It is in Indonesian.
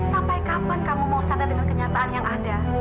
sampai kapan kamu mau sadar dengan kenyataan yang ada